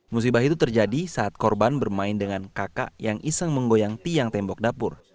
musibah itu terjadi saat korban bermain dengan kakak yang iseng menggoyang tiang tembok dapur